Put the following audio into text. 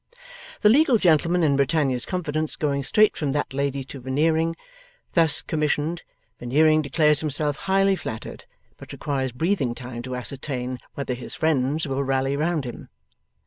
The legal gentleman in Britannia's confidence going straight from that lady to Veneering, thus commissioned, Veneering declares himself highly flattered, but requires breathing time to ascertain 'whether his friends will rally round him.